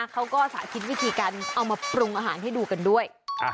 สาธิตวิธีการเอามาปรุงอาหารให้ดูกันด้วย